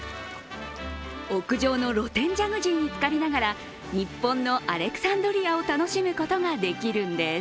屋上の露天ジャグジーにつかりながら日本のアレクサンドリアを楽しむことができるんです。